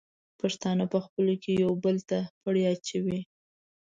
پښتانه په خپلو کې یو بل ته پړی اچوي.